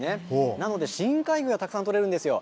なので深海魚がたくさん取れるんですよ。